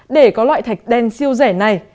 để có loại thạch đen siêu rẻ này